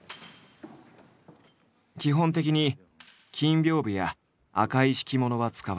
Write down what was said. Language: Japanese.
基本的に金びょうぶや赤い敷物は使わない。